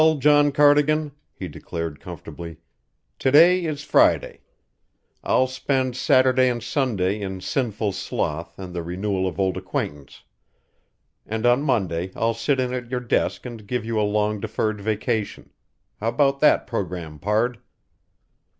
"Well, John Cardigan," he declared comfortably, "to day is Friday. I'll spend Saturday and Sunday in sinful sloth and the renewal of old acquaintance, and on Monday I'll sit in at your desk and give you a long deferred vacation. How about that programme, pard?"